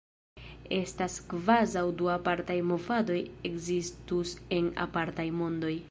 Estas kvazaŭ du apartaj movadoj ekzistus en apartaj mondoj.